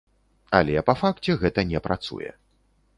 Але па факце гэта не працуе.